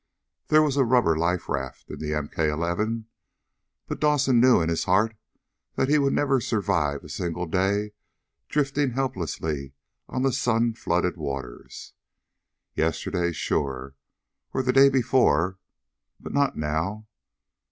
There was a rubber raft in the MK 11, but Dawson knew in his heart that he would never survive a single day drifting helplessly on the sun flooded waters. Yesterday, sure, or the day before but not now.